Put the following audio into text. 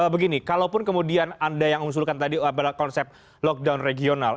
begini kalaupun kemudian anda yang usulkan tadi konsep lockdown regional